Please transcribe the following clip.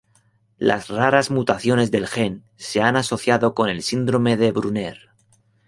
Las raras mutaciones del gen se han asociado con el síndrome de Brunner.